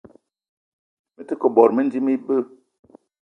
Me te ke bot mendim ibeu.